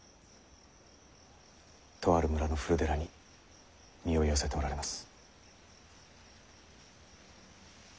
とある村の古寺に身を寄せておられます。